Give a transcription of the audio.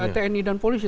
tni dan polisi